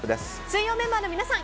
水曜メンバーの皆さん